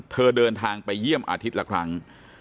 เดินทางไปเยี่ยมอาทิตย์ละครั้ง